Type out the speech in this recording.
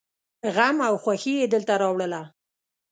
غم او خوښي يې دلته راوړله.